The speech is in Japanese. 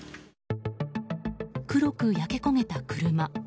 黒く焼け焦げた車。